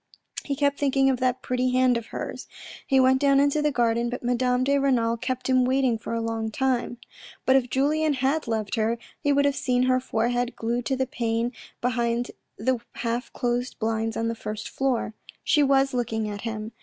He kept thinking of that pretty hand of hers. He went down into the garden, but Madame de Renal kept him waiting for a long time. But if Julien had loved her, he would have seen her forehead glued to the pane behind the half closed blinds on the first floor. She was looking at him.